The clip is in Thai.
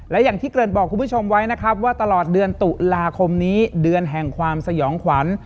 และอย่างที่เกิดบอกคุณผู้ชมไว้นะครับว่าตลอดเดือนตุลาคมนี้เดือนแห่งความสยองขวัญ